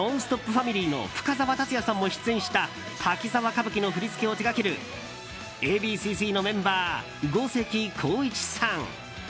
ファミリーの深澤辰哉さんも出演した「滝沢歌舞伎」の振り付けを手掛けるＡ．Ｂ．Ｃ‐Ｚのメンバー五関晃一さん。